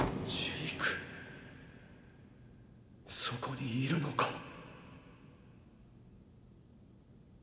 そこにいるのか？